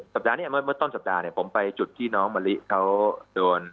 สัปดาห์นี้เมื่อต้นสัปดาห์เนี่ยผมไปจุดที่น้องมะลิเขาโดน